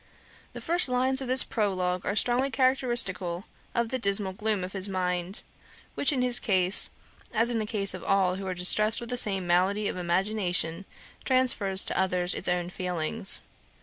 The first lines of this Prologue are strongly characteristical of the dismal gloom of his mind; which in his case, as in the case of all who are distressed with the same malady of imagination, transfers to others its own feelings.